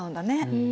うん。